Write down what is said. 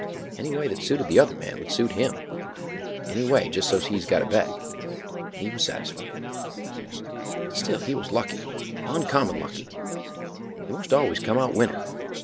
Any way that suited the other man would suit him—any way just so's he got a bet, he was satisfied. But still he was lucky, uncommon lucky; he most always come out winner.